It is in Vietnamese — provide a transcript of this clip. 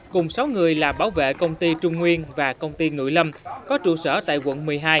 cùng sáu người là bảo vệ công ty trung nguyên và công ty nội lâm có trụ sở tại quận một mươi hai